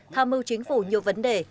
tham mưu chính phủ nhiều vấn đề